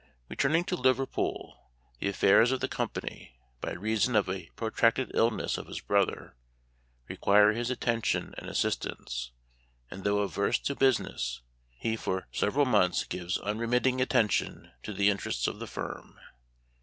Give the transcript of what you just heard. Returning to Liverpool, the affairs of the company, by reason of a protracted illness of his brother, require his attention and assist ance ; and, though averse to business, he for several months gives unremitting attention to the interests of the firm.